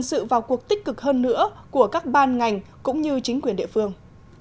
sự vào cuộc tích cực hơn nữa của các ban ngành cũng như chính quyền địa phương